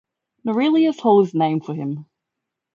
Norelius Hall is named for him.